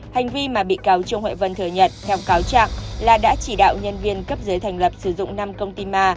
hành vi mà bị cáo trương huệ vân thừa nhận theo cáo trạng là đã chỉ đạo nhân viên cấp dưới thành lập sử dụng năm công ty ma